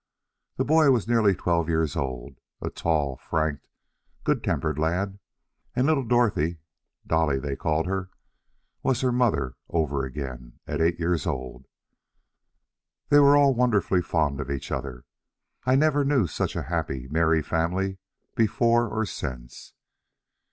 The boy was nearly twelve years old, a tall, frank, good tempered lad; and little Dorothy (Dolly they called her) was her mother over again, at eight years old. They were all wonderfully fond of each other; I never knew such a happy, merry family before or since.